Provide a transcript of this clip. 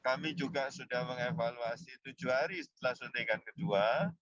kami juga sudah mengevaluasi tujuh hari setelah suntikan kedua